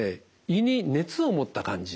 胃に熱を持った感じ。